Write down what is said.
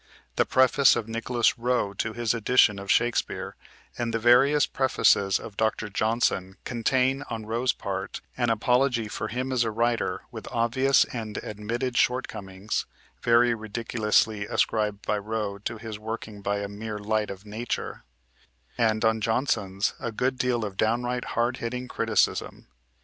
The preface of Nicholas Rowe to his edition of Shakespeare, and the various prefaces of Dr. Johnson contain, on Rowe's part, an apology for him as a writer with obvious and admitted shortcomings (very ridiculously ascribed by Rowe to his working by "a mere light of nature"), and, on Johnson's, a good deal of downright hard hitting criticism.